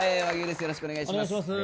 よろしくお願いします。